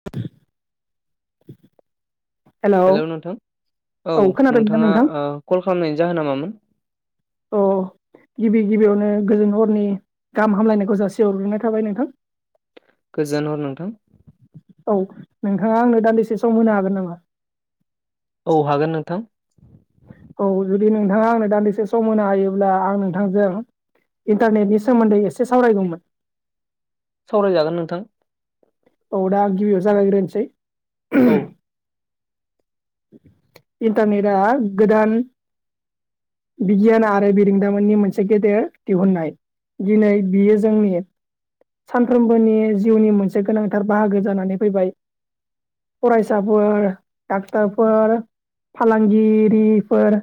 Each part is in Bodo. [unintelligible] हेलौ नोंथां औ खोनादोंना नोंथाङा नोंथां कल खालामनायनि जाहोना मामोन? अ गिबि गिबियावनो गोजोन हरनि गाहाम हामलायनायखौ जासे हरग्रोनाय थाबाय नोंथां। [inaudible] गोजोन हर नोंथां। औ नोंथाङा आंनो दालिसे सम होनो हागोन नामा। औ हागोन नोंथां। औ जुदि नोंथाङा आंनो दान्दिसे सम होनो हायोब्ला आं नोंथांजों इन्टारनेटनि सोमोन्दै एसे सावरायगौमोन। सावरायजागोन नोंथां। औ दा गिबियाव जागायग्रोनोसै। औ इन्टारनेटा गोदान बिगियान आरो बिरंदामोननि मोनसे गेदेर दिहुननाय। दिनै बियो जोंनि सानफ्रोमबोनि जिउनि मोनसे गोनांथार बाहागो जानानै फैबाय। फरायसाफोर फोर फालांगिरिफोर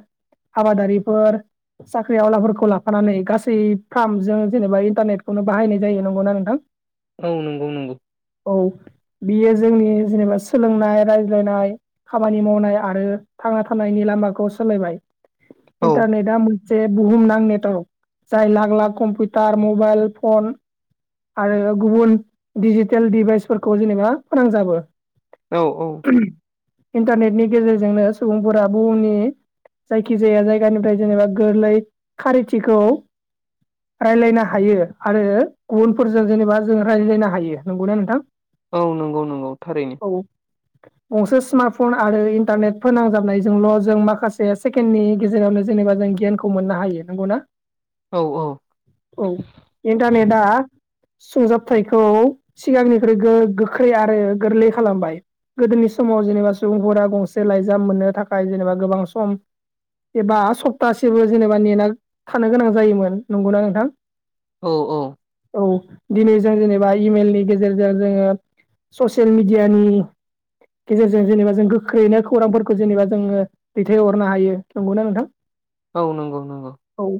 आबादारिफोर साख्रि आवलाफोरखौ लाफानानै गासै फार्मजों जेनेबा इन्टारनेटखौनो बाहायनाय जायो नंगौना नोंथां? [inaudible] औ नंगौ नंगौ औ बियो जोंनि जेनेबा सोलोंनाय रायज्लायनाय खामानि मावनाय आरो थांना थानायनि लामाखौ सोलायबाय औ इन्टारनेटआ जे बुहुमनां नेटर्क जाय लाख लाख कम्पिउटार मबाइल फन आरो गुबुन डिजिटेल डिभाइसफोरखौ जेनेबा फोनांजाबो औ औ [unintelligible] इन्टारनेटनि गेजेरजोंनो सुबुंफोरा बुहुमनि जायखिजाया जायगानिफ्राय जेनेबा गोरलै खारिथिखौ रायज्लायनो हायो आरो गुबुनफोरजों जेनेबा जों रायज्लायनो हायो नंगौना नोंथां? औ नंगौ नंगौ थारैनो। औ गंसे स्मार्ट फन आरो इन्टारनेट फोनांजाबनायजोंल' जों माखासे सेकेण्डनि गेजेरावनो जेनेबा जों गियानखौ खौ मोननो हायो नंगौ ना? औ-औ औ इन्टारनेटा सुंजाबथायखौ सिगांनिख्रुइ गो-गोख्रै आरो गोरलै खालामबाय गोदोनि सु समाव जेनेबा सुबुंफोरा गंसे लाइजाम मोननो थाखाय जेनेबा गोबां सम एबा सप्तासेबो जेनेबा नेना थानो गोनां जायोमोन नंगौना नोंथां? औ औ औ दिनै जों जेनेबा इमेलनि गेजेरजों जोङो ससेयेल मिडियानि गेजेरजों जेनेबा जों गोख्रैनो खौरांफोरखौ जेनेबा जोङो दैथायहरनो हायो नंगौना नोंथां? औ नंगौ नंगौ औ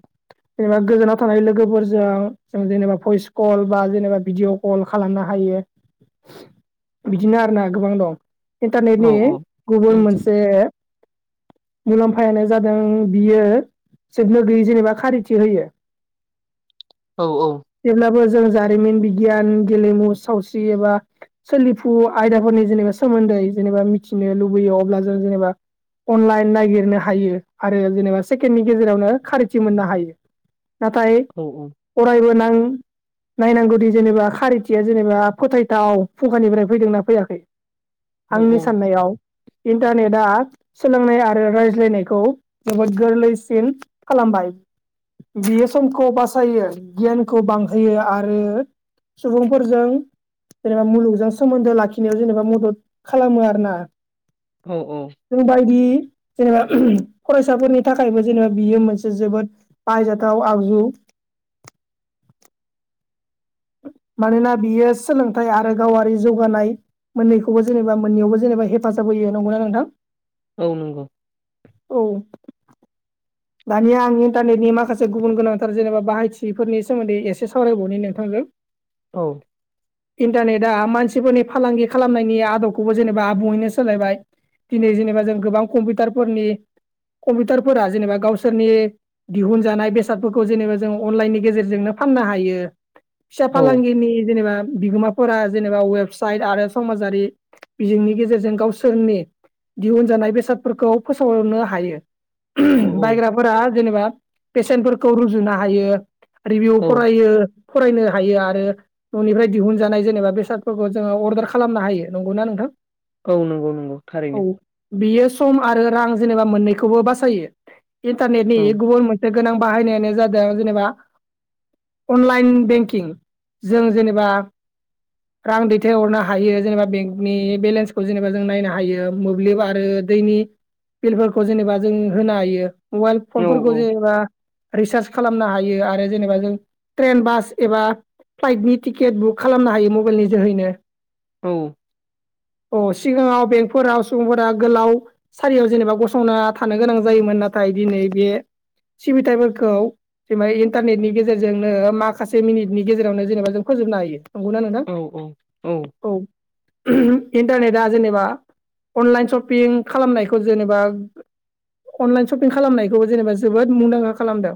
जेनेबा गोजानाव थानाय लोगोफोरजों जों जेनेबा भइस कल बा जेनेबा भिडिअ' कल खालामनो हायो। बिदिनो आरोना गोबां दं औ इन्टारनेटनि औ गुबुन मोनसे मुलाम्फायानो जादों बियो जोबनो गैयै जेनेबा खारिथि होयो [inaudible] औ औ जेब्लाबो जों जारिमिन बिगियान गेलेमु सावस्रि एबा सोलिफु आयदाफोरनि जेनेबा सोमोन्दै जेनेबा मिथिनो लुबैयो अब्ला जों जेनेबा अनलाइन नायगिरनो हायो आरो जेनेबा सेकेण्डनि गेजेरावनो खारिथि मोननो हायो नाथाय औ औ फरायबो नां नायनांगौदि जेनेबा खारिथिया जेनेबा फोथायथाव फुंखानिफ्राय फैदोंना फैयाखै? औ आंनि साननायाव इन्टारनेटआ सोलोंनाय आरो रायज्लायनायखौ जोबोद गोरलैसिन खालामबाय बियो समखौ बासायो गियानखौ बांहोयो आरो सुबुंफोरजों जेनेबा मुलुगजों सोमोन्दो लाखिनायाव जेनेबा मु दद खालामो आरोना औ औ जोंबायदि जेनेबा [unintelligible] फरायसाफोरनि थाखायबो जेनेबा बियो मोनसे जोबोद बाहायजाथाव आगजु मानोना बियो सोलोंथाइ आरो गावारि जौगानाय मोननैखौबो जेनेबा मोननैयावबो जेनेबा हेफाजाब होयो नंगौना नोंथां? औ नोंगौ औ दानिया आं इन्टारनेटनि माखासे गुबुन गोनांथार जेनेबा बाहायथिफोरनि सोमोन्दै एसे सावरायबावनि नोंथांजों [inaudible] औ इन्टारनेटआ मानसिफोरनि फालांगि खालामनायनि आदबखौबो जेनेबा आबुङैनो सोलायबाय। दिनै जेनेबा जों गोबां कम्पिटारफोरनि कम्पिटारफोरा जेनेबा गावसोरनि दिहुनजानाय बेसादफोरखौ जेनेबा जों अनलाइननि गेजेरजोंनो फाननो हायो। फिसा फालांगिनि जेनेबा बिगोमा फोरा जेनेबा वेबसाइट आरो समाजारि बिजोंनि गेजेरजों गावसोरनि दिहुनजानाय बेसादफोरखौ फोसावनो हायो [unintelligible] औ बायग्राफोरा जेनेबा बेसेन्टफोरखौ रुजुनो हायो रिभिउ औ फरायो फरायनो हायो आरो ननिफ्राय दिहुनजानाय जेनेबा बेसादफोरखौ जोङो अर्दार खालामनो हायो नंगौना नोंथां? औ नोंगौ नोंगौ थारैनो। औ बियो सम आरो रां जेनेबा मोननैखौबो बासायो। इन्टारनेटनि औ गुबुन मोनसे गोनां बाहायनायानो जादों जेनेबा अनलाइन बेंकिं जों जेनेबा रां दैथायहरनो हायो जेनेबा बेंकनि बेलेन्सखौ जेनेबा जों नायनो हायो मोब्लिब आरो दैनि बिलफोरखौ जेनेबा जों होनो हायो मबाइल औ फनफोरखौ जेनेबा रिसार्च खालामनो हायो आरो जेनेबा जों ट्रेन बास एबा फ्लाइटनि टिकेट बुक खालामनो हायो मबाइलनि जोहैनो। औ अ सिगाङाव बेंकफोराव सुबुंफोरा गोलाव सारियाव जेनेबा गसंना थानो गोनां जायोमोन नाथाय दिनै बे सिबिथायफोरखौ जेनबा इन्टारनेटनि गेजेरजोंनो माखासे मिनिटनि गेजेरावनो जेनेबा जों फोजोबनो हायो। नंगौना नोंथां औ औ। इन्टारनेटआ जेनेबा अनलाइन सपिं खालामनायखौ जेनेबा अनलाइन सपिं खालामनायखौबो जेनेबा जोबोद मुंदांखा खालामदो।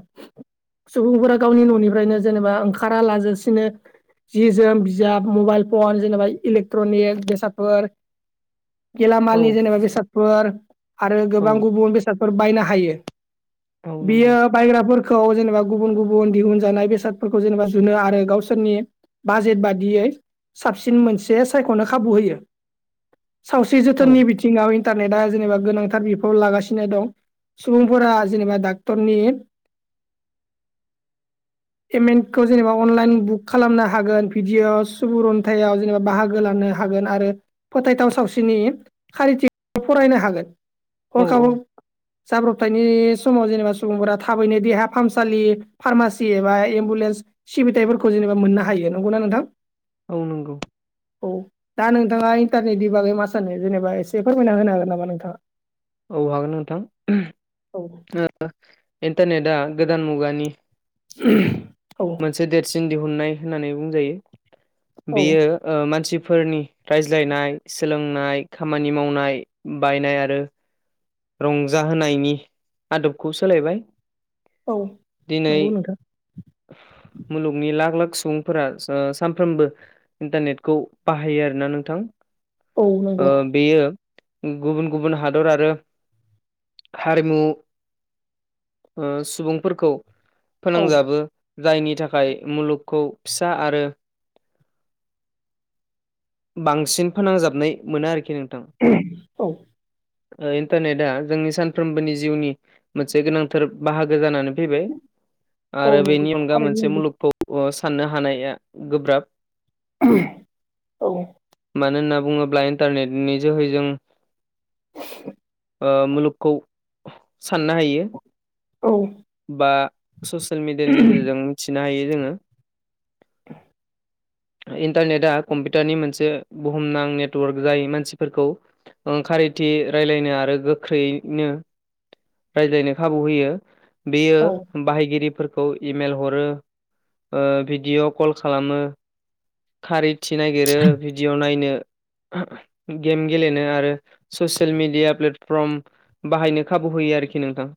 सुबुंफोरा गावनि न'निफ्रायनो जेनेबा ओंखारा लाजासिनो जि जोम बिजाब मबाइल फन जेनेबा इलेकट्रनिक बेसाद फोर औ गेलामालनि जेनेबा बेसादफोर आरो औ गोबां गुबुन बेस सादफोर बायनो हायो औ नंगौ बियो बायग्राफोर खौ जेनेबा गुबुन गुबुन दिहुनजानाय बेसादफोरखौ जेनेबा जुनो आरो गावसोरनि बाजेट बादियै साबसिन मोनसे सायखनो खाबु होयो। सावस्रि औ जोथोननि बिथिङाव इन्टारनेटआ जेनेबा गोनांथार बिफाव लागासिनो दं। सुबुंफोरा जेनेबा डाक्टरनि [inaudible] पेमेन्टखौ जेनेबा अनलाइन बुक खालामनो हागोन भिडिअ सुबुरुन्थायाव जेनेबा बाहागो लानो हागोन आरो फोथायथाव सावस्रिनि खारिथि फरायनो हागोन औ हरखाब औ जाब्रबथायनि समाव जेनेबा सुबुंफोरा थाबैनो देहा फाहामसालि फार्मासि एबा एम्बुलेन्स सिबिथायफोरखौ जेनेबा मोननो हायो नंगौना नोंथां? औ नंगौ। औ दा नोंथाङा इन्टारनेटनि बागै मा सानो जेनेबा एसे फोरमायना होनो हागोन नामा नोंथाङा? औ हागोन नोंथां ओ इन्टारनेटआ गोदान मुगानि औ से देरसिन दिहुननाय होननानै बुंजायो औ बेयो ओ मानसिफोरनि रायज्लायनाय सोलोंनाय खामानि मावनाय बायनाय आरो रंजाहोनायनि आदबखौ सोलायबाय। औ दिनै नंगौ नोंथां। मुलुगनि लाख लाख सुबुंफोरा सा सामफ्रोमबो इन्टारनेटखौ बाहायो आरो ना नोंथां औ नंगौ ओ बेयो उम गुबुन गुबुन हादर आरो हारिमु ओ सुबुंफोरखौ औ फोनांजाबो जायनि थाखाय मुलुगखौ फिसा आरो बांसिन फोनांजाबनाय मोनो आरोखि नोंथां। [unintelligible] ओ इन्टारनेटआ जोंनि सानफ्रोमबोनि जिउनि। मोनसे गोनांथार बाहागो जानानै फैबाय औ आरो नंगौ बेनि अनगा थारैनो मोनसे नंगौ मुलुगखौ अ साननो हानाया गोब्राब औ। मानो होनना बुङोब्ला इन्टारनेट नि जोहै जों [inaudible] ओ मुलुगखौ साननो हायो। औ। बा ससियेल मिडियानि गेजेरजों मिथिनो हायो जोङो। [inaudible] इन्टारनेटआ कम्पिउटारनि मोनसे बुहुमनां नेटवर्क जाय मानसिफोरखौ ओ खारिथि रायज्लायनो आरो गोख्रैयै नो रायज्लायनो खाबु होयो बेयो औ बाहायगिरिफोर औ इमेल हरो ओ भिडिअ' कल खालामो। खारिथि नागिरो भिडिअ नायनो गेम गेलेनो आरो ससियेल मिडिया प्लेटफ्रर्म बाहायनो खाबु होयो आरोखि नोंथां।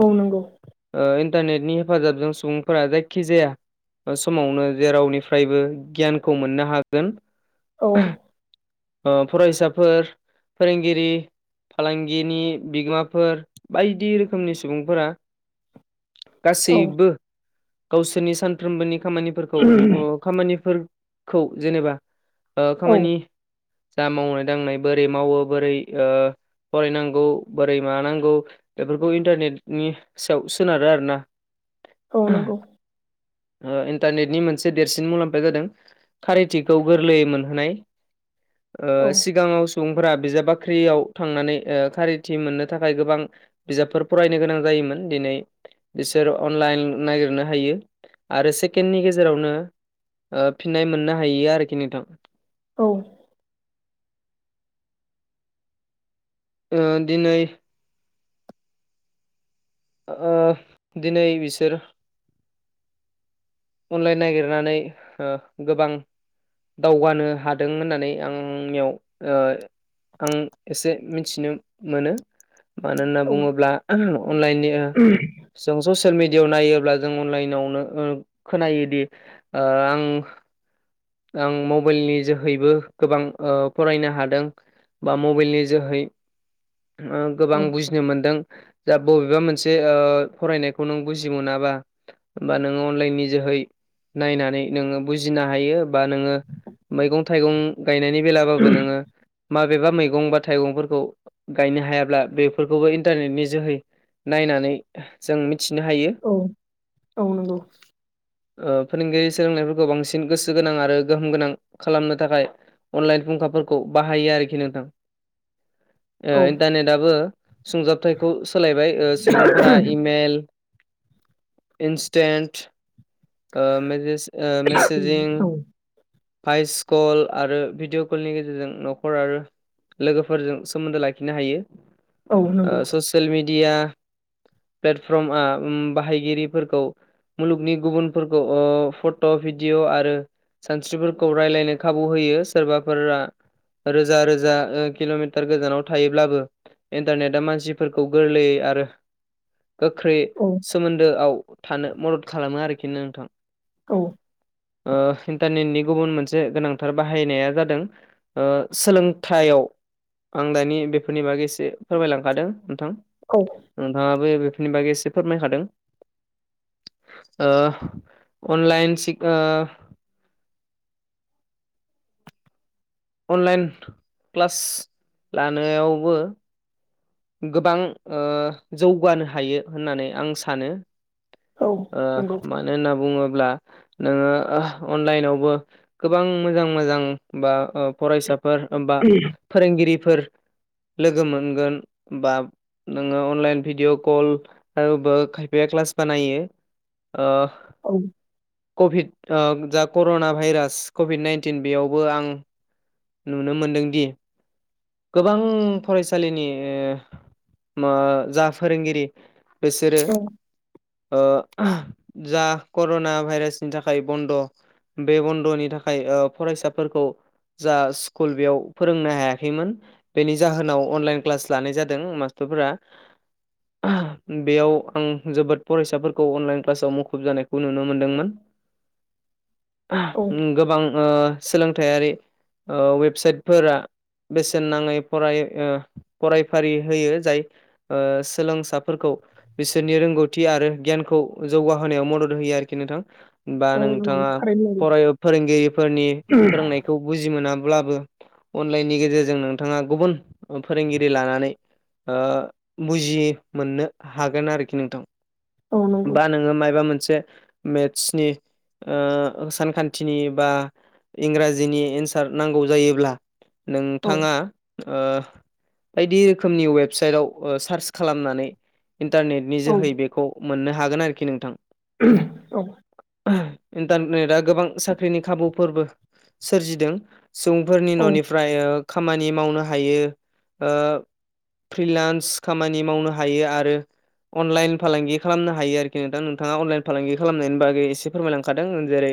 औ नंगौ। ओ इन्टारनेटनि हेफाजाबजों सुबुंफोरा जायखि जाया। ओ समावनो जेरावनिफ्रायबो गियानखौ मोननो हागोन। औ। ओ फरायसाफोर फोरोंगिरि फालांगिनि बिगोमाफोर बायदि रोखोमनि सुबुंफोरा [inaudible] गासैबो गावसोरनि सानफ्रोमबोनि खामानिफोरखौ ओ खामानिफोर खौ जेनेबा ओ औ खामानि दा मावनाय दांनाय बोरै मावो बोरै ओ फरायनांगौ बोरै मानांगौ बेफोरखौ इन्टारनेटनि सायाव सोनारो आरो ना। औ नंगौ। ओ इन्टारनेटनि मोनसे देरसिन मुलाम्फाया जादों खारिथिखौ गोरलैयै मोनहोनाय। ओ औ सिगाङाव सुबुंफोरा बिजाब बाख्रियाव थांनानै ओ खारिथि मोननो थाखाय गोबां बिजाबफोर फरायनो गोनां जायोमोन दिनै बिसोर अनलाइन नागिरनो हायो आरो। सेकेणडनि गेजेराव नो ओ फिननाय मोननो हायोयो आरोखि नोंथां। औ। ओ दिनै। ओ दिनै बिसोर अनलाइन नागिरनानै ओ गोबां दावगानो हादों होननानै आं नियाव ओ आं एसे मिथिनो मोनो। मानो होनना बुङोब्ला अनलाइननि जों ससियेल मिडियाआव नायोब्ला जों अनलाइनाव नो ओ खोनायोदि ओ आं आं मबाइलनि जोहैबो गोबां ओ फरायनो हादों। बा मबाइलनि जोहै औ गोबां बुजि नो मोनदों जा बबेबा मोनसे ओ फरायनायखौ नों बुजि मोनाबा होमबा नोङो अनलाइनि जोहै नायनानै नोङो बुजिनो हायो। बा नोङो मैगं थाइगं गायनायनि बेलाबाबो नोङो माबेबा मैगं बा थाइगंफोरखौ गायनो हायाब्ला बेफोरखौबो इन्टारनेटनि जोहै नायनानै जों मिथिनो हायो। औ औ नंगौ। फोरोंगिरि सोलोंनायफोरखौ बांसिन गोसो गोनां आरो गोहोम गोनां खालामनो थाखाय अनलाइन फुंखाफोरखौ बाहायो आरोखि नोंथां। [inaudible] इन्टारनेटआबो सुंजाबथायखौ सोलायबाय सुबुंफोरा इमेल इन्सटेन्ट ओ मेजेस ओ औ नंगौ औ मेसेेजिं भइस कल आरो भिडिअ' कलनि गेजेरजों न'खर आरो लोगोफोरजों सोमोन्दो लाखिनो हायो। ओ ससियेल मिडिया प्लेटफर्म बाहायगिरिफोरखौ मुलुगनि गुबुनफोरखौ फट' भिडिअ आरो सानस्रिफोरखौ रायलायनो खाबु होयो सोरबाफोरा रोजा रोजा किल'मिटार गोजानाव थायोब्लाबो इन्टारनेटा मानसिफोरखौ गोरलैयै आरो गोख्रै सोमोन्दोआव थानो मदद खालामो आरोखि नोंथां। औ। ओ इन्टारनेटनि गुबुन मोनसे गोनांथार बाहायनाया जादों सोलोंथाइयाव आं दानि बेफोरनि बागै एसे फोरमायलांखादों नोंथां। औ नोंथाङाबो बेफोरनि बागै एसे फोरमायखादों। ओ अनलाइन सिख ओ अनलाइन क्लास लानायावबो गोबां ओ जौगानो हायो होननानै आं सानो। औ नंगौ औ मानो होनना बुङोब्ला नोङो अनलाइनावबो गोबां मोजां मोजां बा फरायसा फोर बा फोरोंगिरिफोर लोगो मोनगोन। बा नोङो अनलाइन भिडिअ कल आरोबो खायफाया क्लास बानायो। ओ औ। कभिड ओ जा कर'ना भाइरास कभिड नाइनटिन बेयावबो आं नुनो मोनदों दि गोबां फरायसालिनि मो जा फोरोंगिरि बिसोरो औ ओ जा कर'ना भाइरासनि थाखाय बन्द' बे बन्द'नि थाखाय फरायसाफोरखौ जा स्कुल बेयाव फोरोंनो हायाखैमोन। बेनि जाहोनाव अनलाइन क्लास लानाय जादों मास्टारफोरा। [inaudible] बेयाव आं जोबोद फरायसाफोरखौ अनलाइन क्लासाव मुखुब जानायखौ नुनो मोनदोंमोन। [inaudible] गोबां ओ सोलोंथायारि अवेबसाइटफोरा बेसेन नाङै फराय फरायफारि होयो जाय ओ सोलोंसाफोरखौ बिसोरनि रोंगौथि आरो गियानखौ जौगाहोनायाव मदद होयो आरोखि नोंथां। बा औ नंगौ नोंथाङा थारैनो फराय ओ फोरोंगिरिफोरनि नंगौ फोरोंनाय बुजि मोनाब्लाबो अनलाइननि गेजेरजों नोंथाङा गुबुन फोरोंगिरि लानानै ओ बुजि मोननो हागोन आरोखि नोंथां। औ नंगौ बा नोङो मायबा मोनसे मेथ्सनि ओ सानखान्थिनि बा इंराजिनि एन्सार नांगौ जायोब्ला औ नोंथाङा ओ बायदि रोखोमनि वेबसाइटाव सार्च खालामनानै इन्टारनेट नि औ जोहै बेखौ मोननो हागोन आरोखि नोंथां। [unintelligible] औ। [unintelligible] इन्टारनेटआ गोबां साख्रिनि खाबुफोरबो सोरजिदों सुबुंफोरनि औ न'निफ्राय ओ खामानि मावनो हायो ओ फ्रिलान्स खामानि मावनो हायो आरो अनलाइन फालांगि खालामनो हायो आरोखि नोंथां नोंथाङा अनलाइन फालांगि खालामनायनि बागै एसे फोरमायलांखादों जेरै